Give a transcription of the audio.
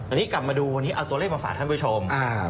อันนี้กลับมาดูวันนี้เอาตัวเลขมาฝากท่านผู้ชม